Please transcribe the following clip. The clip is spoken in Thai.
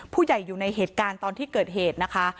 อยู่ในเหตุการณ์ตอนที่เกิดเหตุนะคะ